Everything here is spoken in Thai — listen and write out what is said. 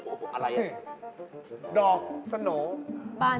ปลูกเอาไว้มีเงินมีท้อง